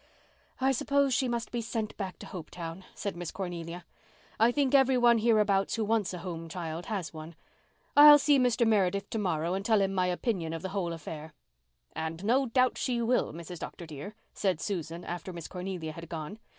"I suppose she must be sent back to Hopetown," said Miss Cornelia. "I think every one hereabouts who wants a home child has one. I'll see Mr. Meredith to morrow and tell him my opinion of the whole affair." "And no doubt she will, Mrs. Dr. dear," said Susan, after Miss Cornelia had gone.